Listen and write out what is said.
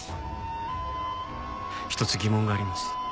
一つ疑問があります。